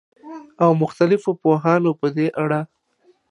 او مختلفو پوهانو په دې اړه